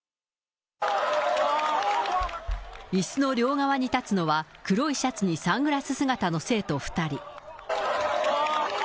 いすの両側に立つのは、黒いシャツにサングラス姿の生徒２人。